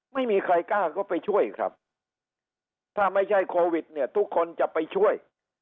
ไม่มีใครกล้าเข้าไปช่วยครับถ้าไม่ใช่โควิดเนี่ยทุกคนจะไปช่วย